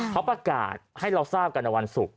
เขาประกาศให้เราทราบกันในวันศุกร์